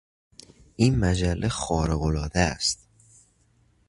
این مجله خارقالعاده است.